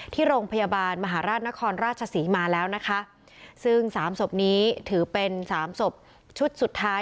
ที่โรงพยาบาลมหาราชนครราชศรีมาแล้วนะคะซึ่งสามศพนี้ถือเป็นสามศพชุดสุดท้าย